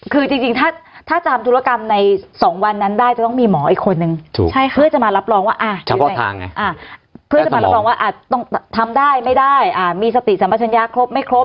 คือจริงถ้าจะทำธุรกรรมในสองวันนั้นได้จะต้องมีหมออีกคนนึงเพื่อจะมารับรองว่าทำได้ไม่ได้มีสติสรรพชะยะครบไม่ครบ